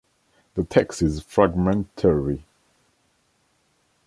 The text is fragmentary.